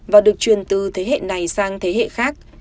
và được truyền từ thế hệ này sang thế hệ khác